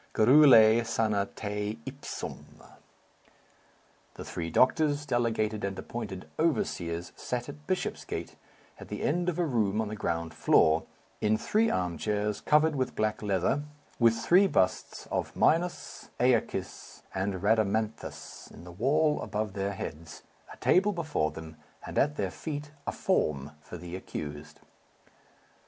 Garrule, sana te ipsum. The three doctors, delegated and appointed overseers, sat at Bishopsgate, at the end of a room on the ground floor, in three armchairs covered with black leather, with three busts of Minos, Æacus, and Rhadamanthus, in the wall above their heads, a table before them, and at their feet a form for the accused.